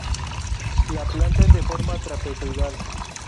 La planta es de forma trapezoidal.